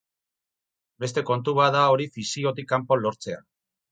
Beste kontu bat da hori fikziotik kanpo lortzea.